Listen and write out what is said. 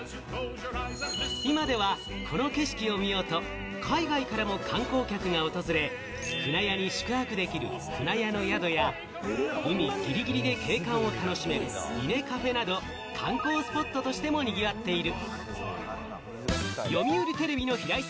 今ではこの景色を見ようと、海外からも観光客が訪れ、舟屋に宿泊できる舟屋の宿や、海ギリギリで景観を楽しめるＩＮＥＣＡＦＥなど、観光スポットとしても賑わっている。